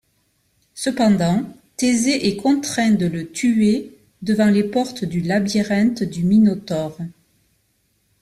Cependant, Thésée est contraint de le tuer devant les portes du labyrinthe du Minotaure.